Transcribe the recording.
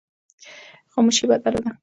خاموشي بدله ده.